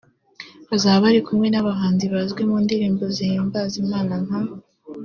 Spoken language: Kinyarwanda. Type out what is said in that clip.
Bazaba bari kumwe n’abahanzi bazwi mu ndirimbo zihimbaza Imana nka